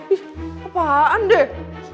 ih apaan deh